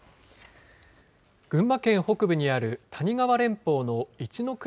群馬県北部にある谷川連峰の一ノ